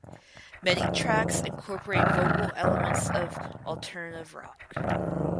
Many tracks incorporate vocal elements of alternative rock.